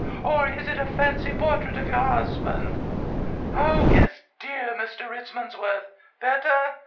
Or is it a fancy portrait of your husband? How is dear Mr. Richmansworth? Better!